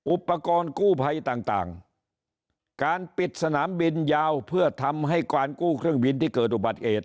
อุปกรณ์กู้ภัยต่างต่างการปิดสนามบินยาวเพื่อทำให้การกู้เครื่องบินที่เกิดอุบัติเหตุ